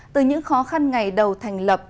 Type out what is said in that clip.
từ những khó khăn ngày đầu thành lập